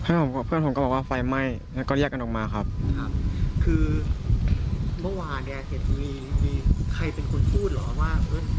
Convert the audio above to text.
ให้ผมกับเพื่อนผมก็บอกว่าไฟไหม้แล้วก็แยกกันออกมาครับครับคือเมื่อวานเนี่ยเห็นมีมีใครเป็นคนพูดเหรอว่า